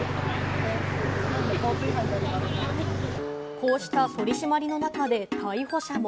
こうした取り締まりの中で逮捕者も。